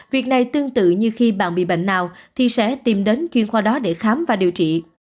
việc này tương tự như khi bạn bị bệnh nào thì sẽ tìm đến chuyên khoa đó để khám và điều trị